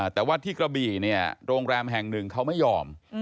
แต่ว่าที่กระบี่เนี่ยโรงแรมแห่งหนึ่งเขาไม่ยอม